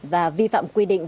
và vi phạm quy định